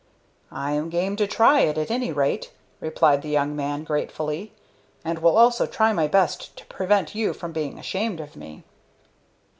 "I am game to try it, at any rate," replied the young man, gratefully, "and will also try my best to prevent you from being ashamed of me."